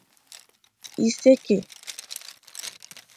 Iseke